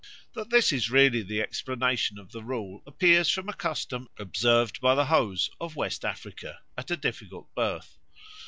That this is really the explanation of the rule appears from a custom observed by the Hos of West Africa at a difficult birth.